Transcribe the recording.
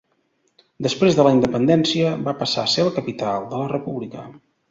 Després de la Independència va passar a ser la capital de la República.